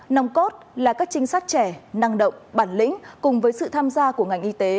nòng cốt là các trinh sát trẻ năng động bản lĩnh cùng với sự tham gia của ngành y tế